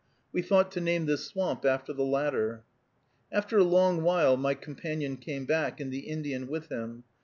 We thought to name this swamp after the latter. After a long while my companion came back, and the Indian with him.